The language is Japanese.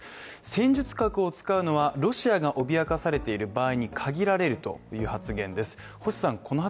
戦術核を使うのはロシアが脅かされている場合に限られるという発言です。